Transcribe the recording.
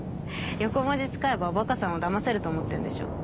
横文字使えばおバカさんをだませると思ってんでしょ。